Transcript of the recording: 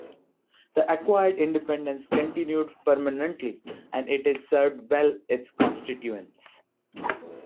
The acquired independence continued permanently and it served well its constituents.